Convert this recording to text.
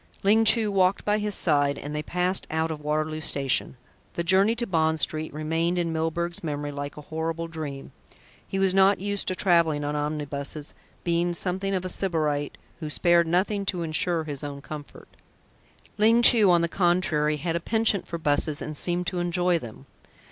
Ling Chu walked by his side, and they passed out of Waterloo station. The journey to Bond Street remained in Milburgh's memory like a horrible dream. He was not used to travelling on omnibuses, being something of a sybarite who spared nothing to ensure his own comfort. Ling Chu on the contrary had a penchant for buses and seemed to enjoy them.